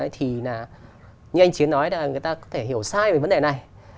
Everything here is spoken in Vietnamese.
thì như anh chiến nói là người ta có thể hiểu sai về vấn đề này